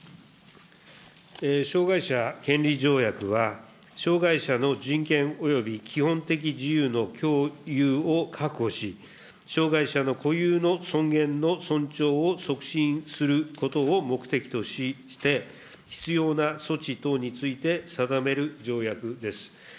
障害者権利条約は、障害者の人権および基本的自由の共有を確保し、障害者の固有の尊厳の尊重を促進することを目的として、必要な措置等について定める条約です。